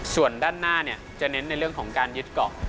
ส่วนด้านหน้าจะเน้นในเรื่องของการยึดเกาะ